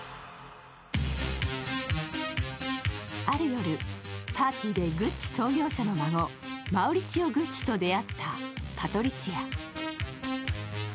ある夜、パーティーでグッチ創業者の孫、マウリツィオ・グッチと出会ったパトリツィア。